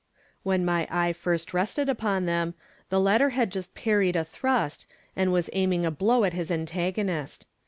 When my eye first rested upon them, the latter had just parried a thrust, and was aiming a blow at his antagonist.